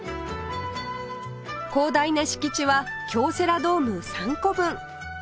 広大な敷地は京セラドーム３個分